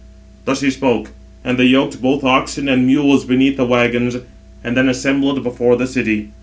Thus he spoke; and they yoked both oxen and mules beneath the waggons; and then assembled before the city.